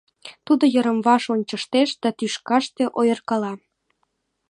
Тудо йырымваш ончыштеш да тӱшкаште ойыркала.